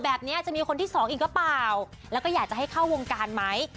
แบบนี้จะมีคนที่สองอีกหรือเปล่าแล้วก็อยากจะให้เข้าวงการไหม